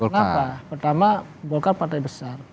kenapa pertama golkar partai besar